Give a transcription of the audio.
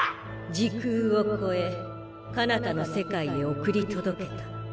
時空を越え彼方の世界へ送り届けた。